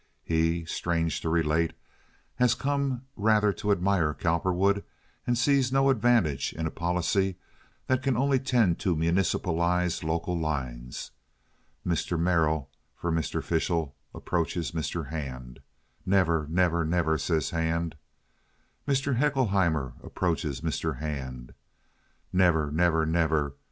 He, strange to relate, has come rather to admire Cowperwood and sees no advantage in a policy that can only tend to municipalize local lines. Mr. Merrill, for Mr. Fishel, approaches Mr. Hand. "Never! never! never!" says Hand. Mr. Haeckelheimer approaches Mr. Hand. "Never! never! never!